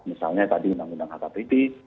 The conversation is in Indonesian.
misalnya tadi undang undang hkpp